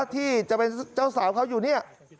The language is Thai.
ที่จะเป็นเจ้าสาวเขาอยู่เนี่ย